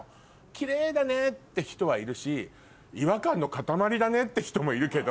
キレイだねって人はいるし違和感の塊だねって人もいるけど。